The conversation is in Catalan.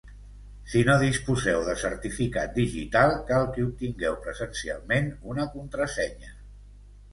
Si no disposeu de certificat digital, cal que obtingueu presencialment una contrasenya.